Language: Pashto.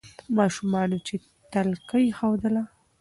ماشومانو چي تلکه ایښودله